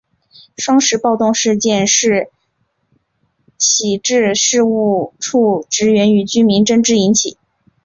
双十暴动事件是徙置事务处职员与居民争执引起。